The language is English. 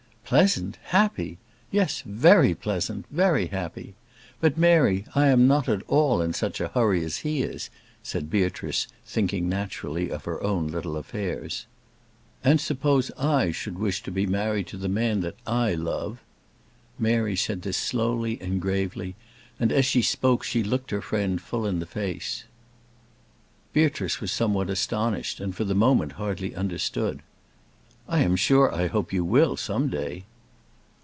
"Pleasant! happy! yes, very pleasant; very happy. But, Mary, I am not at all in such a hurry as he is," said Beatrice, naturally thinking of her own little affairs. "And, suppose I should wish to be married to the man that I love?" Mary said this slowly and gravely, and as she spoke she looked her friend full in the face. Beatrice was somewhat astonished, and for the moment hardly understood. "I am sure I hope you will, some day."